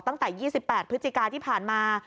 ตั้งแต่๒๘พฤศจิกาที่ผ่านมา